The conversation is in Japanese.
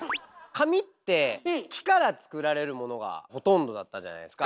紙って木から作られるものがほとんどだったじゃないですか。